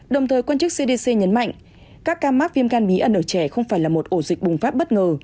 đồng thời quan chức cdc nhấn mạnh các ca mắc viêm gan bí ẩn trẻ không phải là một ổ dịch bùng phát bất ngờ